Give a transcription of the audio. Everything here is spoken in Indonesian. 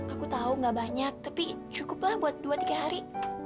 aku tahu gak banyak tapi cukuplah buat dua tiga hari